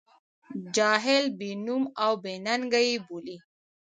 جاهل، بې نوم او بې ننګه یې بولي.